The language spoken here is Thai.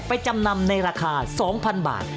จำนำในราคา๒๐๐๐บาท